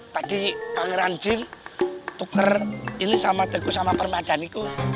tadi pangeran jin tuker ini sama teko sama permadani ku